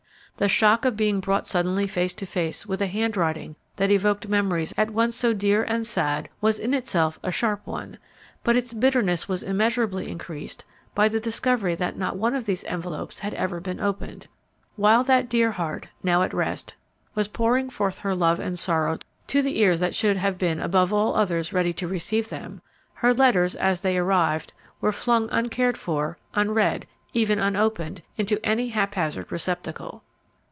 The shock of being brought suddenly face to face with a handwriting that evoked memories at once so dear and sad was in itself a sharp one; but its bitterness was immeasurably increased by the discovery that not one of these envelopes had ever been opened. While that dear heart, now at rest, was pouring forth her love and sorrow to the ears that should have been above all others ready to receive them, her letters, as they arrived, were flung uncared for, unread, even unopened, into any haphazard receptacle.